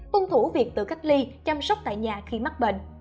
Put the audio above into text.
tuân thủ việc tự cách ly chăm sóc tại nhà khi mắc bệnh